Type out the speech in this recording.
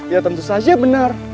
ya tentu saja benar